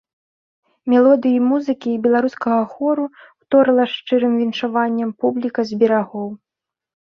Мелодыі музыкі і беларускага хору ўторыла шчырым віншаваннем публіка з берагоў.